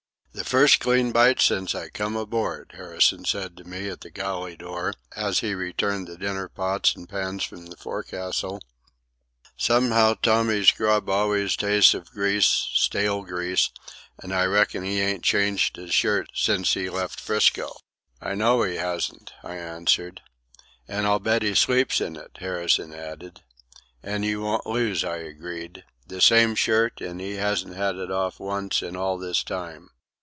"The first clean bite since I come aboard," Harrison said to me at the galley door, as he returned the dinner pots and pans from the forecastle. "Somehow Tommy's grub always tastes of grease, stale grease, and I reckon he ain't changed his shirt since he left 'Frisco." "I know he hasn't," I answered. "And I'll bet he sleeps in it," Harrison added. "And you won't lose," I agreed. "The same shirt, and he hasn't had it off once in all this time."